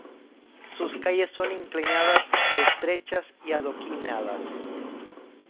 Sus calles son inclinadas, estrechas y adoquinadas.